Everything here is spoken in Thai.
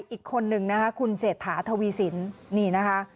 อีกคนนึงนะคะคุณเศรษฐาทวีสินนี่นะคะ